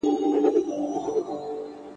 بس د خان مشکل به خدای کړي ور آسانه `